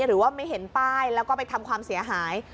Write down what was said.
หรือว่าไม่เห็นป้ายแล้วก็ไปทำความเสียหาย